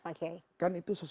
jangan anda takut